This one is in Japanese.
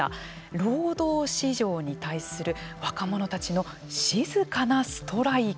労働市場に対する若者たちの静かなストライキ。